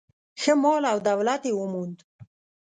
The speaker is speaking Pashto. ښه مال او دولت یې وموند.